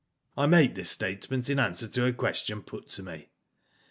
I make this statement in answer to a question put to me.